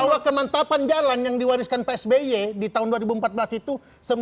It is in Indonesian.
bahwa kemantapan jalan yang diwariskan pak sby di tahun dua ribu empat belas itu